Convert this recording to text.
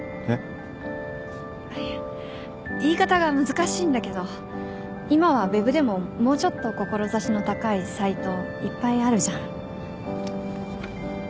あっいや言い方が難しいんだけど今はウェブでももうちょっと志の高いサイトいっぱいあるじゃん。